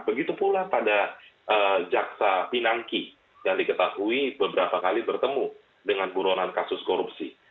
begitu pula pada jaksa pinangki yang diketahui beberapa kali bertemu dengan buronan kasus korupsi